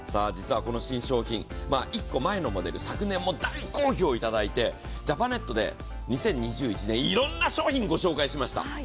実はこの新商品、１個前のモデル、昨年も大好評いただいて、ジャパネットで２０２１年いろいろな商品をご紹介しました。